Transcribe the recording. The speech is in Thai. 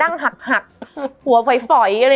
มันทำให้ชีวิตผู้มันไปไม่รอด